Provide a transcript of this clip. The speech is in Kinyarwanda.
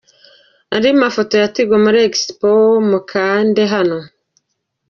Andi mafoto ya Tigo muri Expo, mukande hano.